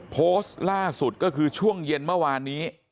โพสต์ล่าสุดก็คือช่วงเย็นเมื่อวานนี้